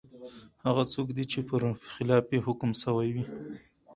هغه څوک دی چي پر خلاف یې حکم سوی وي ؟